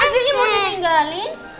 adiknya mau ditinggalin